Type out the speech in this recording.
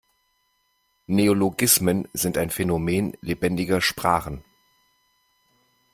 Neologismen sind ein Phänomen lebendiger Sprachen.